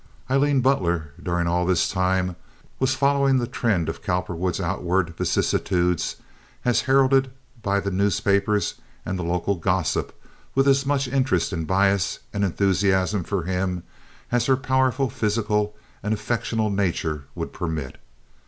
Aileen Butler, during all this time, was following the trend of Cowperwood's outward vicissitudes as heralded by the newspapers and the local gossip with as much interest and bias and enthusiasm for him as her powerful physical and affectional nature would permit.